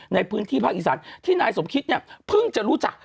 ในพื้นที่ภาคอีสานที่นายสมคิดเนี่ยเพิ่งจะรู้จัก